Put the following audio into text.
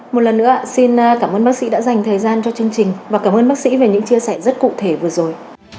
một lần nữa xin cảm ơn bác sĩ đã dành thời gian cho chương trình và cảm ơn bác sĩ về những chia sẻ rất cụ thể vừa rồi